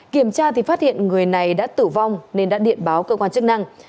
kiểm tra thì phát hiện người này đã tử vong nên đã điện báo cơ quan chức năng